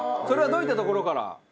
それはどういったところから？